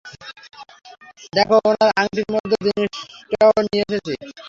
দ্যাখো, ওনার আংটির মতো জিনিসটাও নিয়ে এসেছি।